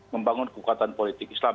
membangun kekuatan politik islam